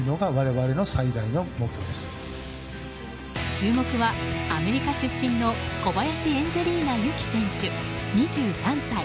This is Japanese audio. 注目はアメリカ出身の小林エンジェリーナ優姫選手２３歳。